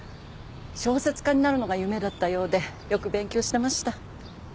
小説家になるのが夢だったようでよく勉強してました。